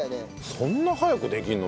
そんな早くできるの？